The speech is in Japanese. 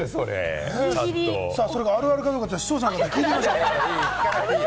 それがあるあるかどうか、視聴者の皆さんに聞いてみましょうか？